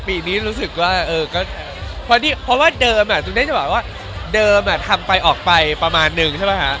ปีนี้รู้สึกว่าเออก็เพราะว่าเดิมอ่ะคุณได้จะบอกว่าเดิมอ่ะทำไปออกไปประมาณหนึ่งใช่ป่ะฮะ